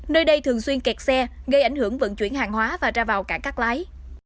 nơi đây thường xuyên kẹt xe gây ảnh hưởng vận chuyển hàng hóa và ra vào cảng cắt lái